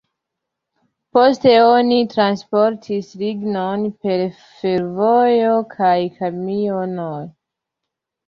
Poste oni transportis lignon per fervojo kaj kamionoj.